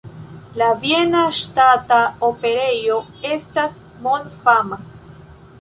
La Viena Ŝtata Operejo estas mondfama.